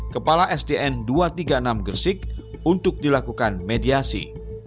kepala sdn dua ratus tiga puluh enam gersik untuk dilakukan mediasi